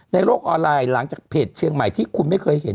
โลกออนไลน์หลังจากเพจเชียงใหม่ที่คุณไม่เคยเห็น